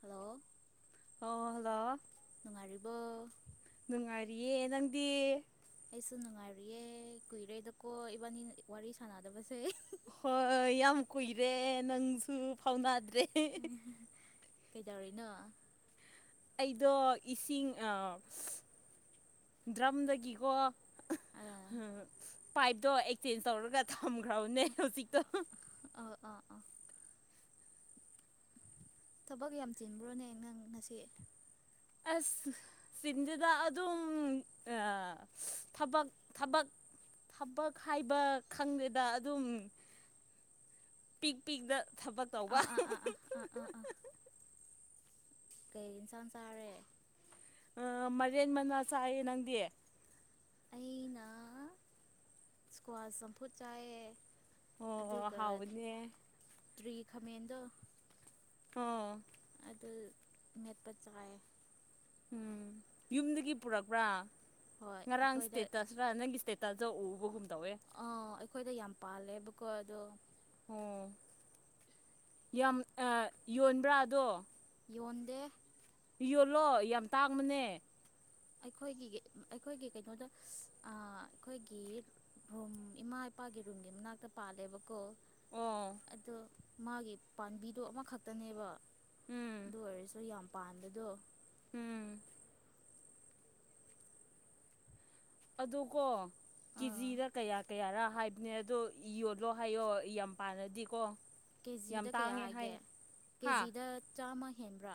hello ꯑꯣ hello ꯅꯨꯡꯉꯥꯏꯔꯤꯕꯣ ꯅꯨꯡꯉꯥꯏꯔꯤꯌꯦ ꯅꯪꯗꯤ ꯑꯩꯁꯨ ꯅꯨꯡꯉꯥꯏꯔꯤꯌꯦ ꯀꯨꯏꯔꯦꯗꯀꯣ ꯏꯕꯥꯅꯤꯅ ꯋꯥꯔꯤ ꯁꯥꯟꯅꯗꯕꯁꯦ ꯍꯣꯏ ꯌꯥꯝ ꯀꯨꯏꯔꯦ ꯅꯪꯁꯨ ꯐꯥꯎꯅꯗ꯭ꯔꯦ ꯍꯦ ꯍꯦ ꯀꯩꯗꯧꯔꯤꯅꯣ ꯑꯩꯗꯣ ꯏꯁꯤꯡ ꯑꯥ ꯗ꯭ꯔꯝꯗꯒꯤꯀꯣ ꯍꯥ ꯑꯥ ꯄꯥꯏꯞꯇꯣ ꯑꯦꯛꯆꯦꯟꯖ ꯇꯧꯔꯒ ꯊꯝꯈ꯭ꯔꯕꯅꯦ ꯍꯧꯖꯤꯛꯇꯣ ꯍꯥ ꯑꯥ ꯑꯥ ꯑꯥ ꯊꯕꯛ ꯌꯥꯝ ꯆꯤꯟꯕ꯭ꯔꯣꯅꯦ ꯅꯪ ꯉꯁꯤ ꯑꯁ ꯆꯤꯟꯗꯦꯗ ꯑꯗꯨꯝ ꯑꯥ ꯊꯕꯛ ꯊꯕꯛ ꯊꯕꯛ ꯍꯥꯏꯕ ꯈꯪꯗꯦꯗ ꯑꯗꯨꯝ ꯄꯤꯛ ꯄꯤꯛꯗ ꯊꯕꯛ ꯇꯧꯕ ꯑꯥ ꯑꯥ ꯑꯥ ꯑꯥ ꯑꯥ ꯑꯥ ꯑꯥ ꯀꯩ ꯑꯦꯟꯁꯥꯡ ꯆꯥꯔꯦ ꯑꯥ ꯃꯥꯏꯔꯦꯟ ꯃꯅꯥ ꯆꯥꯏꯌꯦ ꯅꯪꯗꯤ ꯑꯩꯅ ꯁꯀ꯭ꯋꯥꯁ ꯆꯝꯐꯨꯠ ꯆꯥꯏꯌꯦ ꯑꯣ ꯑꯗꯨꯒ ꯍꯥꯎꯕꯅꯦ ꯇ꯭ꯔꯤ ꯈꯥꯃꯦꯟꯗꯣ ꯑꯣ ꯑꯗꯨ ꯃꯦꯠꯄ ꯆꯥꯏꯌꯦ ꯎꯝ ꯌꯨꯝꯗꯒꯤ ꯄꯨꯔꯛꯄ꯭ꯔꯥ ꯍꯣꯏ ꯉꯔꯥꯡ ꯑꯩꯈꯣꯏꯗ ꯁꯇꯦꯠꯇꯁꯔ ꯅꯪꯒꯤ ꯏꯁꯇꯦ ꯇꯖꯧ ꯎꯕꯒꯨꯝ ꯇꯧꯑꯦ ꯑꯥ ꯑꯩꯈꯣꯏꯗ ꯌꯥꯝ ꯄꯥꯜꯂꯦꯕꯀꯣ ꯑꯗꯣ ꯑꯣ ꯌꯥꯝ ꯑꯥ ꯌꯣꯟꯕ꯭ꯔꯥ ꯑꯗꯣ ꯌꯣꯟꯗꯦ ꯑꯍꯨꯍꯨ ꯍꯨ ꯌꯣꯜꯂꯣ ꯌꯥꯝ ꯇꯥꯡꯕꯅꯦ ꯑꯩꯈꯣꯏꯒꯤ ꯑꯩꯈꯣꯏꯒꯤ ꯀꯩꯅꯣꯗ ꯑꯥ ꯑꯩꯈꯣꯏꯒꯤ ꯔꯨꯝ ꯏꯃꯥ ꯃꯄꯥꯒꯤ ꯔꯨꯝꯒꯤ ꯃꯅꯥꯛꯇ ꯄꯥꯜꯂꯦꯕꯀꯣ ꯑꯣ ꯑꯗꯣ ꯃꯥꯒꯤ ꯄꯥꯝꯕꯤꯗꯣ ꯑꯃꯈꯛꯇꯅꯦꯕ ꯎꯝ ꯑꯗꯨ ꯑꯣꯏꯔꯁꯨ ꯌꯥꯝ ꯄꯥꯟꯕꯗꯣ ꯎꯝ ꯑꯗꯨꯀꯣ ꯑꯥ ꯀꯦꯖꯤꯗ ꯀꯌꯥ ꯀꯌꯥꯔ ꯍꯥꯏꯕꯅꯦ ꯑꯗꯣ ꯌꯣꯜꯂꯣ ꯍꯥꯏꯌꯣ ꯌꯥꯝ ꯄꯥꯟꯂꯗꯤꯀꯣ ꯀꯦꯖꯤꯗ ꯀꯌꯥ ꯍꯥꯏꯒꯦ ꯍꯥ ꯀꯦꯖꯤꯗ ꯆꯥꯝꯃ ꯍꯦꯟꯕ꯭ꯔꯥ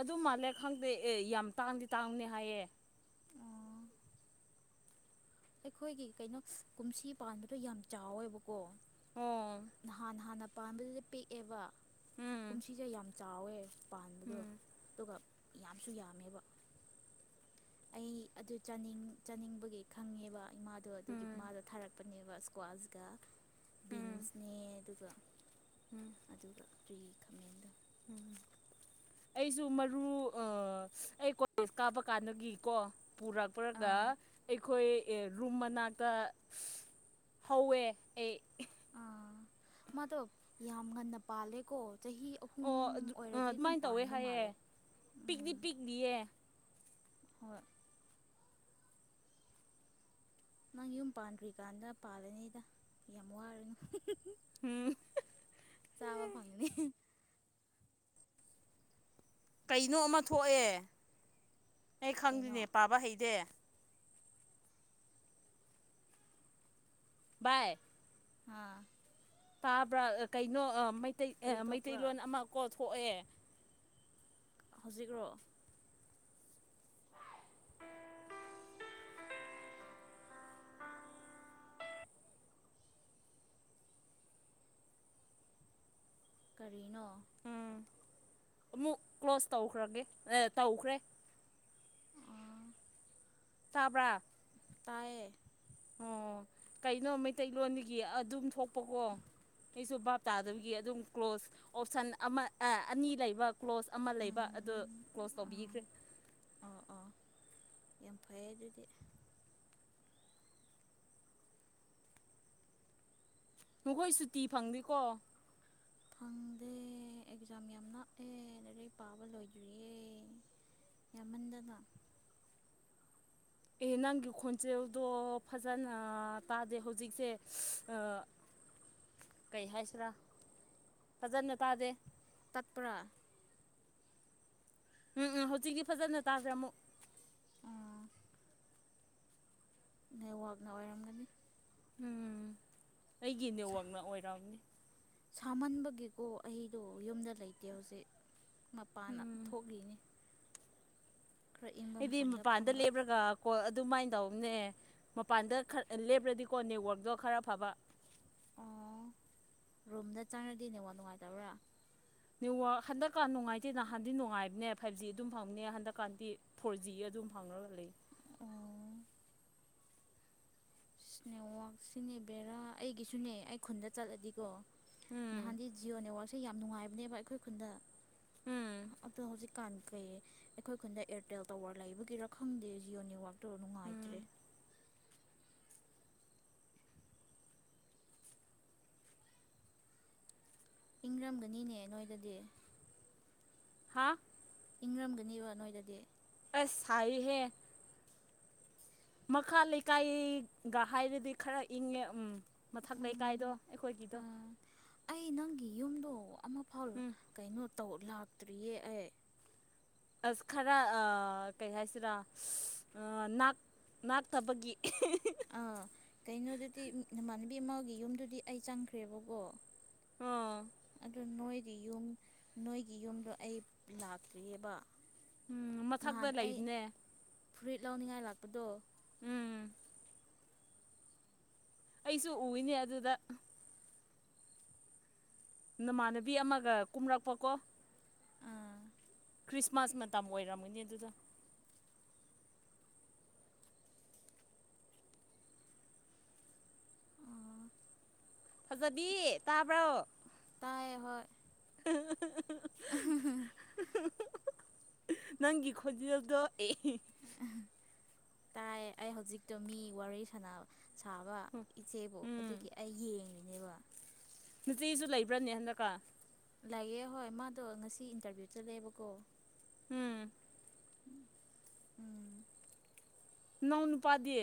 ꯑꯗꯨ ꯃꯥꯜꯂꯦ ꯈꯪꯗꯦ ꯑꯦ ꯌꯥꯝ ꯇꯥꯡꯗꯤ ꯇꯥꯡꯕꯅꯦ ꯍꯥꯏꯌꯦ ꯑꯣ ꯑꯩꯈꯣꯏꯒꯤ ꯀꯩꯅꯣ ꯀꯨꯝꯁꯤ ꯄꯥꯟꯕꯗꯣ ꯌꯥꯝ ꯆꯥꯎꯋꯦꯕꯀꯣ ꯑꯣ ꯎꯝ ꯅꯍꯥꯟ ꯍꯥꯟꯅ ꯄꯥꯝꯕꯗꯨꯗꯤ ꯄꯤꯛꯑꯦꯕ ꯎꯝ ꯀꯨꯝꯁꯤꯁꯦ ꯌꯥꯝ ꯆꯥꯎꯋꯦ ꯄꯥꯟꯕꯗꯣ ꯎꯝ ꯑꯗꯨꯒ ꯌꯥꯝꯁꯨ ꯌꯥꯝꯃꯦꯕ ꯑꯩ ꯑꯗꯨ ꯆꯥꯅꯤꯡ ꯆꯥꯅꯤꯡꯕꯒꯤ ꯈꯪꯉꯦꯕ ꯏꯃꯥꯗꯣ ꯑꯗꯨꯒꯤ ꯃꯥꯗꯣ ꯊꯥꯔꯛꯄꯅꯦꯕ ꯁꯀ꯭ꯋꯥꯁꯀ ꯎꯝ ꯎꯝ ꯕꯤꯟꯁꯅꯦ ꯑꯗꯨꯒ ꯑꯗꯨꯒ ꯇ꯭ꯔꯤ ꯎꯝ ꯑꯩꯁꯨ ꯃꯔꯨ ꯑꯥ ꯑꯩ ꯀꯣꯂꯦꯖ ꯀꯥꯕ ꯀꯥꯟꯗꯒꯤꯀꯣ ꯄꯨꯔꯛꯄꯒ ꯑꯥ ꯑꯩꯈꯣꯏ ꯑꯦ ꯔꯨꯝ ꯃꯅꯥꯛꯇ ꯍꯧꯋꯦ ꯑꯩ ꯃꯗꯣ ꯌꯥꯝ ꯉꯟꯅ ꯄꯥꯂꯦ ꯀꯣ ꯆꯍꯤ ꯑꯍꯨꯝ ꯑꯣ ꯑꯣꯏꯔꯗꯤ ꯑꯗꯨꯝ ꯑꯗꯨꯃꯥꯏꯅ ꯇꯧꯋꯦ ꯄꯥꯟꯕ ꯍꯥꯏꯌꯦ ꯃꯥꯜꯂꯦ ꯄꯤꯛꯇꯤ ꯎꯝ ꯄꯤꯛꯂꯤꯌꯦ ꯍꯣꯏ ꯅꯪ ꯌꯨꯝ ꯄꯥꯟꯗ꯭ꯔꯤꯀꯥꯟꯗ ꯄꯥꯜꯂꯅꯤꯗ ꯌꯥꯝ ꯋꯥꯔꯨꯅꯨ ꯎꯝ ꯆꯥꯕ ꯐꯥꯡꯒꯅꯤ ꯀꯩꯅꯣ ꯑꯃ ꯊꯣꯛꯑꯦ ꯑꯩ ꯀꯩꯅꯣ ꯈꯪꯗ꯭ꯅꯦ ꯄꯥꯕ ꯍꯩꯇꯦ ꯕꯥꯏ ꯍꯥꯥ ꯇꯥꯕ꯭ꯔꯥ ꯀꯩꯅꯣ ꯃꯩꯇꯩ ꯀꯔꯤ ꯊꯣꯛꯄ꯭ꯔꯥ ꯃꯩꯇꯩꯂꯣꯟ ꯑꯃ ꯀꯣ ꯊꯣꯛꯑꯦ ꯍꯧꯖꯤꯛꯔꯣ ꯀꯔꯤꯅꯣ ꯎꯝ ꯑꯃꯨꯛ ꯀ꯭ꯂꯣꯁ ꯇꯧꯈ꯭ꯔꯒꯦ ꯑꯦ ꯇꯧꯈ꯭ꯔꯦ ꯑꯥ ꯇꯥꯕ꯭ꯔꯥ ꯇꯏꯌꯦ ꯑꯣ ꯀꯩꯅꯣ ꯃꯩꯇꯩꯂꯣꯟꯗꯒꯤ ꯑꯗꯨꯝ ꯊꯣꯛꯄꯀꯣ ꯑꯩꯁꯨ ꯚꯥꯞ ꯇꯥꯗꯕꯒꯤ ꯑꯗꯨꯝ ꯀ꯭ꯂꯣꯖ ꯑꯣꯞꯁꯟ ꯑꯃ ꯑꯦ ꯑꯅꯤ ꯂꯩꯕ ꯀ꯭ꯂꯣꯖ ꯑꯃ ꯂꯩꯕ ꯑꯗꯣ ꯎꯝ ꯀ꯭ꯂꯣꯁ ꯑꯥ ꯇꯧꯕꯤꯈ꯭ꯔꯦ ꯑꯣ ꯑꯣ ꯌꯥꯝ ꯐꯩꯑꯦ ꯑꯗꯨꯗꯤ ꯅꯈꯣꯏ ꯁꯨꯇꯤ ꯐꯪꯗꯦꯀꯣ ꯑꯦ ꯑꯦꯛꯖꯥꯝ ꯌꯥꯝ ꯅꯥꯛꯑꯦ ꯂꯥꯏꯔꯤꯛ ꯄꯥꯕ ꯂꯣꯏꯗ꯭ꯔꯤꯌꯦ ꯌꯥꯝꯃꯟꯗꯅ ꯑꯦ ꯅꯪꯒꯤ ꯈꯣꯟꯖꯦꯜꯗꯣ ꯐꯖꯅ ꯇꯥꯗꯦ ꯍꯧꯖꯤꯛꯁꯦ ꯑꯥ ꯀꯩ ꯍꯥꯏꯁꯤꯔꯥ ꯐꯖꯅ ꯇꯥꯗꯦ ꯇꯠꯄꯔꯥ ꯎꯝ ꯎꯝ ꯍꯧꯖꯤꯛꯀꯤ ꯐꯖꯅ ꯇꯥꯗ꯭ꯔꯦ ꯑꯃꯨꯛ ꯅꯦꯋꯥꯛꯅ ꯑꯣꯏꯔꯝꯒꯅꯤ ꯎꯝ ꯑꯩꯒꯤ ꯅꯦꯠꯋꯥꯛꯅ ꯑꯣꯏꯔꯝꯅꯤ ꯁꯥꯃꯟꯕꯒꯤꯀꯣ ꯑꯩꯗꯣ ꯌꯨꯝꯗ ꯂꯩꯇꯦ ꯍꯧꯖꯤꯛ ꯃꯄꯥꯟꯅ ꯎꯝ ꯊꯣꯛꯂꯤꯅꯤ ꯈꯔ ꯏꯪꯕ ꯑꯩꯗꯤ ꯃꯐꯝꯗ ꯃꯄꯥꯟꯗ ꯐꯝꯕ ꯂꯦꯞ꯭ꯔꯒ ꯀꯣꯜ ꯑꯗꯨꯃꯥꯏꯅ ꯇꯧꯕꯅꯦ ꯃꯄꯥꯟꯗ ꯈꯔ ꯂꯦꯞꯄ꯭ꯔꯗꯤꯀꯣ ꯅꯦꯠꯋꯔꯛꯇꯣ ꯈꯔ ꯐꯕ ꯑꯣ ꯔꯨꯝꯗ ꯆꯪꯉꯗꯤ ꯅꯦꯠꯋ꯭ꯔꯛ ꯅꯨꯡꯉꯥꯏꯇꯕ꯭ꯔꯥ ꯅꯦꯠꯋꯥꯛ ꯍꯟꯗꯛꯀꯥꯟ ꯅꯨꯡꯉꯥꯏꯇꯦ ꯅꯍꯥꯟꯗꯤ ꯅꯨꯡꯉꯥꯏꯕꯅꯦ ꯐꯥꯏꯚ ꯖꯤ ꯑꯗꯨꯝ ꯐꯪꯕꯅꯦ ꯍꯟꯗꯛꯀꯥꯟꯗꯤ ꯐꯣꯔ ꯖꯤ ꯑꯗꯨꯝ ꯐꯥꯪꯉꯒ ꯂꯩ ꯑꯣ ꯅꯦꯠꯋꯥꯛꯁꯤꯅꯦ ꯕꯦꯔꯥ ꯑꯩꯒꯤꯁꯨꯅꯦ ꯑꯩ ꯈꯨꯟꯗ ꯆꯠꯂꯗꯤꯀꯣ ꯎꯝ ꯅꯍꯥꯟꯗꯤ ꯖꯤꯌꯣ ꯅꯦꯠꯋꯥꯛꯁꯦ ꯌꯥꯝ ꯅꯨꯡꯉꯥꯏꯕꯅꯦꯕ ꯑꯩꯈꯣꯏ ꯈꯨꯟꯗ ꯎꯝ ꯑꯗꯣ ꯍꯧꯖꯤꯛꯀꯥꯟ ꯀꯩ ꯑꯩꯈꯣꯏ ꯈꯨꯟꯗ ꯑꯦꯔꯇꯦꯜ ꯇꯋꯥꯔ ꯂꯩꯕꯒꯤ ꯔꯈꯪꯗꯦ ꯖꯤꯌꯣ ꯅꯦꯋꯛ ꯇꯣ ꯎꯝ ꯅꯨꯡꯉꯥꯏꯇ꯭ꯔꯦ ꯏꯪꯔꯝꯒꯅꯤꯅꯦ ꯅꯣꯏꯗꯗꯤ ꯍꯥ ꯏꯪꯔꯝꯒꯅꯤꯕ ꯅꯣꯏꯗꯗꯤ ꯑꯁ ꯁꯏꯌꯦ ꯍꯦ ꯃꯈꯥ ꯂꯩꯀꯥꯏꯒ ꯍꯥꯏꯔꯗꯤ ꯈꯔ ꯏꯪꯉꯦ ꯎꯝ ꯃꯊꯛ ꯎꯝ ꯂꯩꯀꯥꯏꯗꯣ ꯑꯩꯈꯣꯏꯒꯤꯗꯣ ꯑꯥ ꯑꯩ ꯅꯪꯒꯤ ꯌꯨꯝꯗꯣ ꯑꯃꯐꯥꯎ ꯎꯝ ꯀꯩꯅꯣ ꯇꯧ ꯂꯥꯛꯇ꯭ꯔꯤꯌꯦ ꯑꯩ ꯑꯁ ꯈꯔ ꯀꯩ ꯍꯥꯏꯁꯤꯔꯥꯅꯥꯛ ꯅꯥꯥꯛꯇꯕꯒꯤ ꯑꯥ ꯀꯩꯅꯣꯗꯨꯗꯤ ꯅꯃꯥꯟꯅꯕꯤ ꯑꯃꯒꯤ ꯌꯨꯝꯗꯨꯗꯤ ꯑꯩ ꯆꯪꯈ꯭ꯔꯦꯕꯀꯣ ꯑꯣ ꯑꯗꯨ ꯅꯣꯏ ꯌꯨꯝ ꯅꯣꯏꯒꯤ ꯌꯨꯝꯗꯣ ꯑꯩ ꯂꯥꯛꯇ꯭ꯔꯤꯑꯕ ꯎꯝ ꯃꯊꯛꯇ ꯅꯍꯥꯟ ꯑꯩ ꯂꯩꯕꯅꯦ ꯐꯨꯔꯤꯠ ꯂꯧꯅꯤꯡꯉꯥꯏ ꯂꯥꯛꯄꯗꯣ ꯎꯝ ꯑꯩꯁꯨ ꯎꯏꯅꯦ ꯑꯗꯨꯗ ꯅꯃꯥꯟꯅꯕꯤ ꯑꯃꯒ ꯀꯨꯝꯔꯛꯄꯀꯣ ꯑꯥ ꯈ꯭ꯔꯤꯁꯃꯥꯁ ꯃꯇꯝ ꯑꯣꯏꯔꯝꯒꯅꯤ ꯑꯗꯨꯗꯣ ꯑꯥ ꯐꯖꯕꯤ ꯇꯥꯕ꯭ꯔꯣ ꯇꯥꯏ ꯍꯣꯏ ꯅꯪꯒꯤ ꯈꯣꯟꯖꯦꯜꯗꯣ ꯑꯦ ꯇꯥꯏ ꯑꯩ ꯍꯧꯖꯤꯛꯇꯣ ꯃꯤ ꯋꯥꯔꯤ ꯁꯥꯟꯅ ꯁꯥꯕ ꯏꯆꯦꯕꯨ ꯎꯝ ꯑꯗꯨꯒꯤ ꯑꯩ ꯌꯦꯡꯏꯅꯦꯕ ꯅꯆꯦꯁꯨ ꯂꯩꯕ꯭ꯔꯅꯦ ꯍꯟꯗꯛꯀꯥꯟ ꯂꯩꯌꯦ ꯍꯣꯏ ꯃꯥꯗꯣ ꯉꯁꯤ ꯏꯟꯇꯔꯚꯤꯌꯨ ꯆꯠꯂꯦꯕꯀꯣ ꯎꯝ ꯎꯝ ꯅꯥꯎꯅꯨꯄꯥꯗꯤ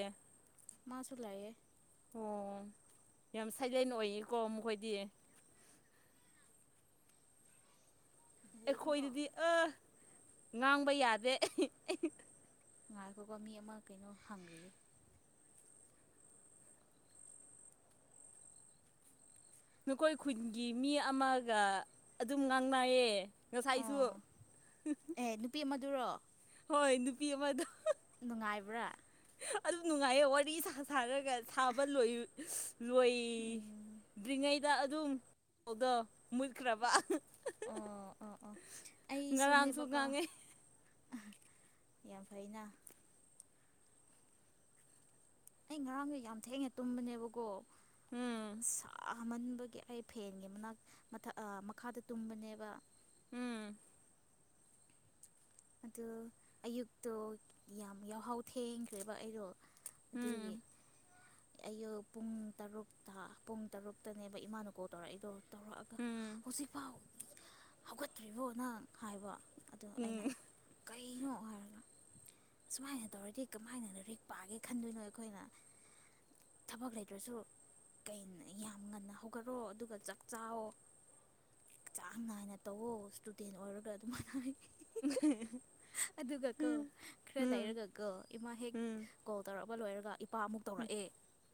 ꯃꯁꯨꯂꯩꯌꯦ ꯑꯣ ꯌꯥꯝ ꯁꯥꯏꯂꯦꯟ ꯑꯣꯏꯌꯦꯀꯣ ꯃꯈꯣꯏꯗꯤ ꯑꯩꯈꯣꯏꯗꯨꯗꯤ ꯑ ꯉꯥꯡꯕ ꯌꯥꯗꯦ ꯉꯥꯏꯈꯣꯀꯣ ꯃꯤ ꯑꯃ ꯀꯩꯅꯣ ꯍꯪꯔꯤꯌꯦ ꯅꯈꯣꯏ ꯈꯨꯟꯒꯤ ꯃꯤ ꯑꯃꯒ ꯑꯗꯨꯝ ꯉꯥꯡꯅꯌꯦ ꯉꯁꯥꯏꯁꯨ ꯑꯗꯨꯔꯣ ꯍꯣꯏ ꯅꯨꯄꯤ ꯑꯃꯗꯣ ꯅꯨꯡꯉꯥꯏꯕ꯭ꯔꯥ ꯑꯗꯨ ꯅꯨꯡꯉꯥꯏꯌꯦ ꯋꯥꯔꯤ ꯁꯥ ꯁꯥꯔꯒ ꯁꯥꯕ ꯂꯣꯏ ꯎꯝ ꯂꯣꯏꯗ꯭ꯔꯤꯉꯩꯗ ꯑꯗꯨꯝꯗꯣ ꯃꯨꯠꯈ꯭ꯔꯕ ꯑꯣ ꯑꯣ ꯑꯣ ꯉꯔꯥꯡꯁꯨ ꯑꯩꯁꯨꯅꯦꯕꯀꯣ ꯉꯥꯡꯉꯦ ꯌꯥꯝ ꯐꯩꯅ ꯑꯩ ꯉꯔꯥꯡꯌꯦ ꯌꯥꯝ ꯊꯦꯡꯅ ꯇꯨꯝꯕꯅꯦꯕꯀꯣ ꯎꯝ ꯐꯝꯍꯟꯕꯒꯤ ꯑꯩ ꯐꯦꯟꯒꯤ ꯃꯅꯥꯛ ꯃꯊꯛ ꯑ ꯃꯈꯥꯗ ꯇꯨꯝꯕꯅꯦꯕ ꯎꯝ ꯑꯗꯨ ꯑꯌꯨꯛꯇꯣ ꯌꯥꯝ ꯌꯥꯍꯥꯎ ꯊꯦꯡꯈ꯭ꯔꯦꯕ ꯑꯩꯗꯣ ꯑꯗꯨꯒꯤ ꯎꯝ ꯑꯌꯨꯛ ꯄꯨꯡ ꯇꯔꯨꯛꯇ ꯄꯨꯡ ꯇꯔꯨꯛꯇꯅꯦꯕ ꯏꯃꯥꯅ ꯀꯣꯜ ꯇꯧꯔꯛꯏꯗꯣ ꯇꯧꯔꯛꯑꯒ ꯎꯝ ꯍꯧꯖꯤꯛꯐꯥꯎ ꯍꯧꯒꯠꯇ꯭ꯔꯤꯕꯣ ꯅꯪ ꯍꯥꯏꯕ ꯑꯗꯣ ꯑꯩꯅ ꯎꯝ ꯀꯩꯅꯣ ꯍꯥꯏꯔꯒ ꯑꯁꯨꯃꯥꯏꯅ ꯇꯧꯔꯗꯤ ꯀꯃꯥꯏꯅ ꯂꯥꯢꯔꯤꯛ ꯄꯥꯒꯦ ꯈꯟꯗꯣꯏꯅꯣ ꯑꯩꯈꯣꯏꯅ ꯊꯕꯛ ꯂꯩꯇ꯭ꯔꯁꯨ ꯀꯩꯅ ꯌꯥꯝ ꯉꯟꯅ ꯍꯧꯒꯠꯂꯑꯣ ꯑꯗꯨꯒ ꯆꯥꯛꯆꯥꯑꯣ ꯆꯥꯡ ꯅꯥꯏꯅ ꯇꯧꯋꯣ ꯏꯁꯇꯨꯗꯦꯟ ꯑꯣꯏꯔꯒ ꯑꯗꯨꯃꯥꯏꯅ ꯑꯗꯨꯒ ꯀꯣ ꯎꯝ ꯈꯔ ꯎꯝ ꯂꯩꯔꯒ ꯀꯣ ꯏꯃꯥ ꯍꯦꯛ ꯀꯣꯜ ꯇꯧꯔꯛꯄ ꯂꯣꯏꯔꯒ ꯅꯨꯄꯥꯃꯨꯛ ꯇꯧꯔꯛꯑꯦ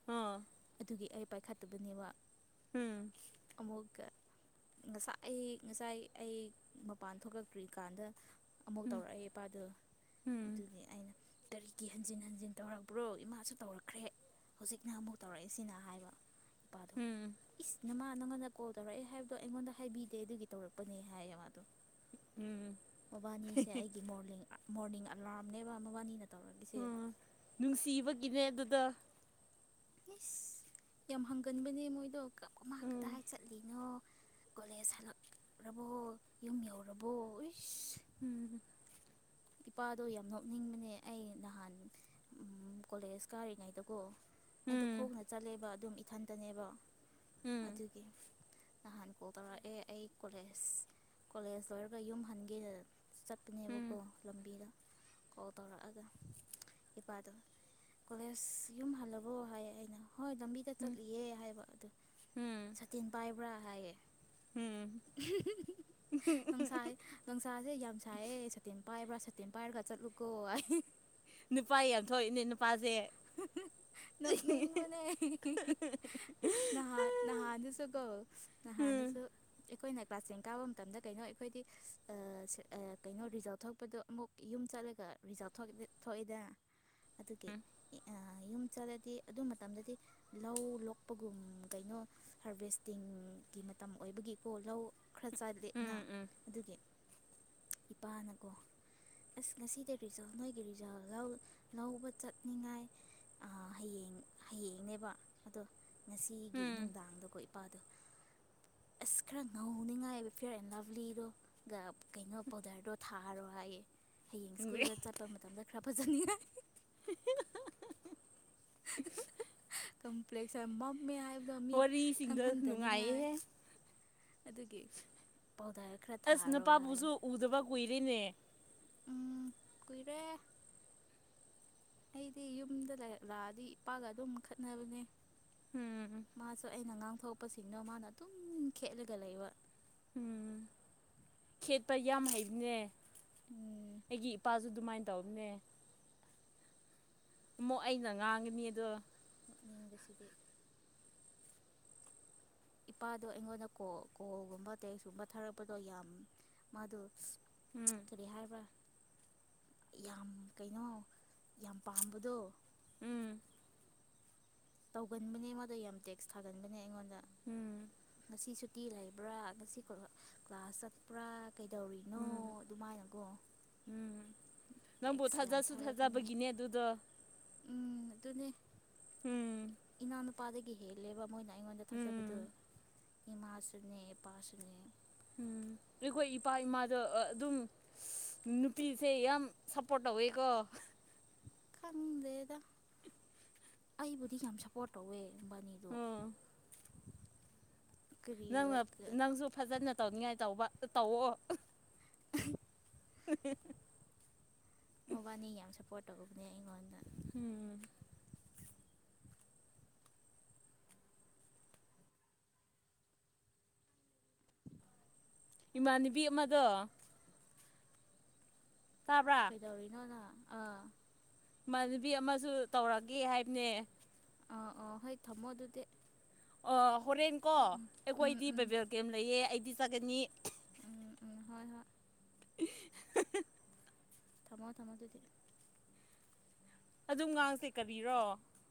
ꯑ ꯎꯝ ꯑꯗꯨꯒꯤ ꯑꯩ ꯄꯥꯏꯈꯠꯇꯕꯅꯦꯕ ꯎꯝ ꯑꯃꯨꯛ ꯉꯁꯥꯏ ꯉꯁꯥꯏ ꯑꯩ ꯃꯄꯥꯟ ꯊꯣꯛꯂꯛꯇ꯭ꯔꯤꯀꯥꯟꯗ ꯑꯃꯨꯛ ꯇꯧꯔꯛꯑꯦ ꯏꯄꯥꯗꯨ ꯎꯝ ꯑꯗꯨꯒꯤ ꯑꯩꯅ ꯀꯔꯤꯒꯤ ꯍꯟꯖꯤꯟ ꯍꯟꯖꯤꯟ ꯇꯧꯔꯛꯕ꯭ꯔꯣ ꯏꯃꯥꯁꯨ ꯇꯧꯔꯛꯈ꯭ꯔꯦ ꯍꯧꯖꯤꯛꯅ ꯑꯃꯨꯛ ꯇꯧꯔꯛꯏꯁꯤꯅ ꯍꯥꯏꯕ ꯎꯝ ꯅꯪꯉꯟꯅ ꯀꯣꯜ ꯇꯧꯔꯛꯑꯦ ꯍꯥꯏꯕꯗꯣ ꯑꯩꯉꯣꯟꯗ ꯍꯥꯏꯕꯤꯗꯦ ꯑꯗꯨꯒꯤ ꯇꯧꯔꯛꯄꯅꯦ ꯍꯥꯏꯌꯦ ꯃꯥꯗꯣ ꯎꯝ ꯃꯕꯥꯅꯤꯁꯦ ꯑꯩꯒꯤ ꯃꯣꯔꯅꯤꯡ ꯃꯣꯔꯅꯤꯡ ꯑꯂꯥꯔꯝꯅꯦꯕ ꯃꯕꯥꯅꯤꯅ ꯇꯧꯔꯛꯏꯁꯦ ꯎꯝ ꯅꯨꯡꯁꯤꯕꯒꯤꯅꯦ ꯑꯗꯨꯗꯣ ꯏꯁ ꯌꯥꯝ ꯍꯪꯒꯟꯕꯅꯦ ꯃꯣꯏꯗꯣ ꯀ ꯑꯃ ꯀꯗꯥꯏ ꯎꯝ ꯆꯠꯂꯤꯅꯣ ꯀꯣꯂꯦꯖ ꯍꯜꯂꯛ ꯔꯕꯣ ꯌꯨꯝ ꯌꯥꯎꯔꯕꯣ ꯎꯝ ꯏꯄꯥꯗꯣ ꯌꯥꯝ ꯅꯣꯛꯅꯤꯡꯕꯅꯦ ꯑꯩ ꯅꯍꯥꯟ ꯑꯝ ꯀꯣꯂꯦꯖ ꯀꯥꯔꯤꯉꯩꯗꯀꯣ ꯑꯩꯗꯣ ꯎꯝ ꯎꯝ ꯈꯣꯡꯅ ꯆꯠꯂꯦꯕ ꯑꯗꯨꯝ ꯏꯊꯟꯇꯅꯦꯕ ꯑꯗꯨꯒꯤ ꯅꯍꯥꯟ ꯀꯣꯜ ꯇꯧꯔꯛꯑꯦ ꯑꯩ ꯀꯣꯂꯦꯖ ꯀꯣꯂꯦꯖ ꯂꯣꯏꯔꯒ ꯌꯨꯝ ꯍꯟꯒꯦꯅ ꯆꯠꯄꯅꯦꯕꯀꯣ ꯎꯝ ꯂꯝꯕꯤꯗ ꯀꯣꯜ ꯇꯧꯔꯛꯑꯒ ꯏꯄꯥꯗꯣ ꯀꯣꯂꯦꯖ ꯌꯨꯝ ꯍꯜꯂꯕꯑꯣ ꯍꯥꯏ ꯑꯩꯅ ꯍꯣꯏ ꯂꯝꯕꯤꯗ ꯎꯝ ꯆꯠꯂꯤꯌꯦ ꯍꯥꯏꯕ ꯑꯗꯨ ꯎꯝ ꯁꯥꯇꯤꯟ ꯄꯥꯏꯕ꯭ꯔꯥ ꯍꯥꯏꯌꯦ ꯎꯝ ꯍꯝ ꯍꯝ ꯅꯨꯡꯁꯥꯏ ꯅꯨꯡꯁꯥꯁꯦ ꯌꯥꯝ ꯁꯥꯏꯌꯦ ꯁꯇꯤꯟ ꯄꯥꯏꯕ꯭ꯔ ꯁꯥꯇꯤꯟ ꯄꯥꯏꯔꯒ ꯆꯠ ꯂꯨꯀꯣ ꯍꯥꯏ ꯅꯨꯄꯥ ꯌꯥꯝ ꯊꯣꯛꯏꯅꯦ ꯅꯨꯄꯥꯁꯦ ꯅꯣꯛꯅꯤꯡꯕꯅꯦ ꯍꯦ ꯍꯦ ꯍꯦ ꯅꯍꯥꯟ ꯅꫪꯍꯥꯟꯗꯨꯁꯨ ꯀꯣ ꯎꯝ ꯅꯍꯥꯟꯅꯁꯨ ꯑꯩꯈꯣꯏꯅ ꯀ꯭ꯂꯥꯁ ꯇꯦꯟ ꯀꯥꯕ ꯃꯇꯝꯗ ꯀꯩꯅꯣ ꯑꯩꯈꯣꯏꯗꯤ ꯀꯩꯅꯣ ꯔꯤꯖꯜꯠ ꯊꯣꯛꯄꯗꯣ ꯑꯃꯨꯛ ꯌꯨꯝ ꯆꯠꯂꯒ ꯔꯤꯖꯜ ꯊꯣꯛꯏ ꯊꯣꯛꯏꯗ ꯑꯗꯨꯒꯤ ꯑꯥ [inaudible] ꯌꯨꯝ ꯆꯠꯂꯗꯤ ꯑꯗꯨ ꯃꯇꯝꯗꯗꯤ ꯂꯧ ꯂꯣꯛꯄꯒꯨꯝ ꯀꯩꯅꯣ ꯍꯥꯔꯚꯦꯁꯇꯤꯡ ꯃꯇꯝ ꯑꯣꯏꯕꯒꯤꯀꯣ ꯂꯧ ꯈꯔ ꯆ ꯂꯦꯠꯅ ꯎꯝ ꯎꯝ ꯑꯗꯨꯒꯤ ꯏꯄꯥꯅꯀꯣ ꯑꯁ ꯉꯁꯤꯗ ꯔꯤꯖꯥꯜ ꯅꯣꯏꯒꯤ ꯔꯤꯖꯥꯜ ꯂꯧ ꯂꯧꯕ ꯆꯠꯅꯤꯡꯉꯥꯏ ꯑꯥ ꯍꯌꯦꯡ ꯍꯌꯦꯡꯅꯦꯕ ꯑꯗꯣ ꯉꯁꯤꯒꯤ ꯎꯝ ꯅꯨꯡꯗꯥꯡꯗ ꯀꯣꯏ ꯄꯥꯗꯣ ꯑꯁ ꯈꯔ ꯉꯧꯅꯤꯡꯉꯥꯏꯕ ꯐꯤꯌꯔ ꯑꯦꯟ ꯂꯚꯂꯤꯗꯣꯒ ꯀꯩꯅꯣ ꯄꯥꯎꯗꯔꯗꯣ ꯊꯥꯔꯣ ꯍꯥꯏꯌꯦ ꯍꯌꯦꯡ ꯁ꯭ꯀꯨꯜꯗ ꯆꯠꯄ ꯃꯇꯝꯗ ꯈꯔ ꯐꯖꯅꯤꯉꯥꯏ [unintelligible] ꯀꯝꯄ꯭ꯂꯦꯛꯁꯟ ꯃꯝꯃꯦ ꯍꯥꯏꯕꯗꯣ ꯃꯤ ꯋꯥꯔꯤꯁꯤꯡꯗꯣ ꯈꯪꯍꯟꯗꯅꯤꯡꯉꯥꯏ ꯅꯨꯡꯉꯥꯏꯌꯦꯍꯦ ꯑꯗꯨꯒꯤ ꯄꯥꯎꯗꯥ꯭ꯔ ꯈꯔ ꯊꯥꯔꯣ ꯍꯥꯏ ꯀꯨꯏꯔꯤꯅꯦ ꯎꯝ ꯀꯨꯏꯔꯦ ꯑꯩꯗꯤ ꯌꯨꯝꯗ ꯂꯩ ꯂꯛꯑꯗꯤ ꯏꯄꯥꯒ ꯑꯗꯨꯝ ꯈꯠꯅꯕꯅꯦ ꯎꯝ ꯃꯥꯁꯨ ꯑꯩꯅ ꯑꯉꯥꯡꯊꯣꯛꯄꯁꯤꯡꯗꯣ ꯃꯥꯅ ꯑꯗꯨꯝ ꯈꯦꯠꯂꯒ ꯂꯩꯕ ꯎꯝ ꯈꯦꯠꯄ ꯌꯥꯝ ꯍꯩꯕꯅꯦ ꯎꯝ ꯑꯩꯒꯤ ꯏꯄꯥꯁꯨ ꯑꯗꯨꯃꯥꯏꯅ ꯇꯧꯕꯅꯦ ꯑꯃꯨꯛ ꯑꯩꯅ ꯉꯥꯡꯒꯅꯤ ꯑꯗꯣ ꯃꯤꯒꯤꯁꯤꯗꯤ ꯏꯄꯥꯗꯣ ꯑꯩꯉꯣꯟꯗ ꯀꯣꯜ ꯀꯣꯜꯒꯨꯝꯕ ꯇꯦꯛꯁꯀꯨꯝꯕ ꯊꯥꯔꯛꯄꯗꯣ ꯌꯥꯝ ꯃꯥꯗꯣ ꯎꯝ ꯀꯔꯤ ꯍꯥꯏꯔꯕ꯭ꯔ ꯌꯥꯝ ꯀꯩꯅꯣ ꯌꯥꯝ ꯄꯥꯝꯕꯗꯣ ꯎꯝ ꯇꯧꯒꯟꯕꯅꯦ ꯃꯗꯣ ꯌꯥꯝ ꯇꯦꯛꯁ ꯊꯥꯒꯟꯕꯅꯦ ꯑꯩꯉꯣꯟꯗ ꯎꯝ ꯁꯤ ꯁꯨꯇꯤ ꯂꯩꯕ꯭ꯔꯥ ꯉꯁꯤ ꯀ꯭ꯂꯥꯁ ꯆꯠꯄ꯭ꯔꯥ ꯀꯩꯗꯧꯔꯤꯅꯣ ꯎꯝ ꯑꯗꯨꯃꯥꯏꯅꯀꯣ ꯎꯝ ꯅꯪꯕꯨ ꯇꯦꯛꯁ ꯌꯥꯝ ꯊꯥꯖꯁꯨ ꯊꯥꯔꯛꯄꯅꯦ ꯊꯥꯖꯕꯒꯤꯅꯦ ꯑꯗꯨꯗꯣ ꯎꯝ ꯑꯗꯨꯅꯦ ꯎꯝ ꯏꯅꯥꯎꯅꯨꯄꯥꯗꯒꯤ ꯍꯦꯜꯂꯦꯕ ꯃꯣꯏꯅ ꯑꯩꯉꯣꯟꯗ ꯊꯥꯖꯕꯗꯣ ꯎꯝ ꯏꯃꯥꯁꯨꯅꯦ ꯏꯄꯥꯁꯨꯅꯦ ꯎꯝ ꯑꯩꯈꯣꯏ ꯏꯄꯥ ꯏꯃꯥꯗ ꯑꯗꯨꯝ ꯅꯨꯄꯤꯁꯦ ꯌꯥꯝ ꯁꯞꯄꯣꯔꯠ ꯇꯧꯋꯦꯀꯣ ꯍꯦ ꯈꯪꯗꯦꯗ ꯑꯩꯕꯨꯗꯤ ꯌꯥꯝ ꯁꯞꯄꯣꯔꯠ ꯇꯧꯋꯦ ꯕꯥꯅꯤꯗꯨ ꯎꯝ ꯅꯪꯅ ꯅꯪꯁꯨ ꯐꯖꯅ ꯇꯧꯅꯤꯡꯉꯥꯏ ꯇꯧꯕ ꯇꯧꯑꯣ ꯍꯤꯍꯤ ꯃꯕꯥꯅꯤ ꯌꯥꯝ ꯁꯞꯄꯣꯔꯠ ꯇꯧꯕꯅꯦ ꯑꯩꯉꯣꯟꯗ ꯎꯝ ꯏꯃꯥꯟꯅꯕꯤ ꯑꯃꯗꯣ ꯇꯥꯕ꯭ꯔꯥ ꯀꯩꯗꯧꯔꯤꯅꯣ ꯅꯪ ꯃꯅꯕꯤ ꯑꯃꯁꯨ ꯇꯧꯔꯒꯦ ꯍꯥꯏꯕꯅꯦ ꯑꯥ ꯑꯣ ꯍꯣꯏ ꯊꯝꯃꯣ ꯑꯗꯨꯗꯤ ꯑꯣ ꯍꯣꯔꯦꯟ ꯀꯣ ꯎꯝ ꯎꯝ ꯎꯝ ꯑꯩꯈꯣꯏꯗꯤ ꯎꯝ ꯕꯦꯕꯦꯜ ꯀꯦꯝ ꯂꯩꯌꯦ ꯑꯩꯗꯤ ꯆꯠꯒꯅꯤ ꯎꯝ ꯎꯝ ꯍꯣꯏ ꯍꯣꯏ ꯊꯝꯃꯣ ꯊꯝꯃꯣ ꯑꯗꯨꯗꯤ ꯑꯗꯨꯝ ꯉꯥꯡꯁꯦ ꯀꯔꯤꯔꯣ